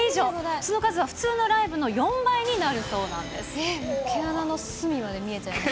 その数は普通のライブの４倍にな毛穴の隅まで見えちゃいます